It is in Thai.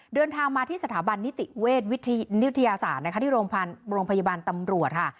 เดินทางมาที่สถาบันนิติเวชวิทยาศาสตร์นะคะที่โรงพยาบาลตำรวจค่ะ